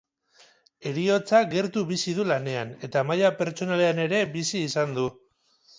Heriotza gertu bizi du lanean, eta maila pertsonalean ere bizi izan du.